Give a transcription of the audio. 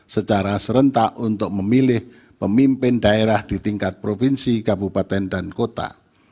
secara serentak untuk memilih pemimpin daerah di tingkat provinsi kabupaten dan kota